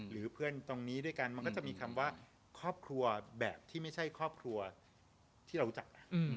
หรือเพื่อนตรงนี้ด้วยกันมันก็จะมีคำว่าครอบครัวแบบที่ไม่ใช่ครอบครัวที่เรารู้จัก